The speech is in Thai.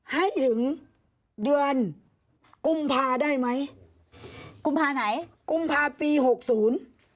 ให้ถึงเดือนกุมภาได้ไหมกุมภาไหนกุมภาปีหกศูนย์